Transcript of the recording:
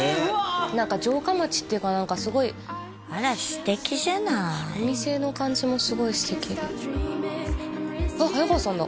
何か城下町っていうか何かすごいあら素敵じゃないお店の感じもすごい素敵であっ早川さんだ！